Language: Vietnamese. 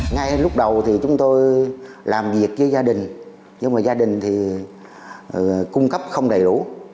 ngay lúc đầu thì chúng tôi làm việc với gia đình nhưng mà gia đình thì cung cấp không đầy đủ